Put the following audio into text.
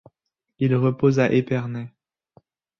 Il repose à Épernay.